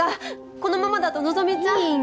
このままだと希ちゃん。